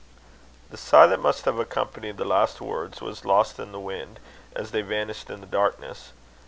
The sigh that must have accompanied the last words, was lost in the wind, as they vanished in the darkness.